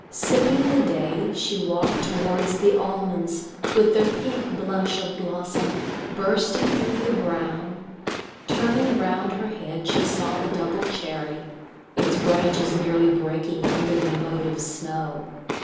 Sipping the day she walked towards the almonds with their pink blush of blossom bursting through the brown; turning round her head she saw the double cherry, its branches nearly breaking under their load of snow.